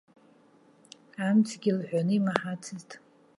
Амцгьы лҳәоны имаҳацызт.